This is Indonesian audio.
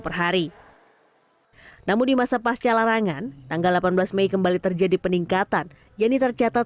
perhari namun di masa pasca larangan tanggal delapan belas mei kembali terjadi peningkatan yang ditercatat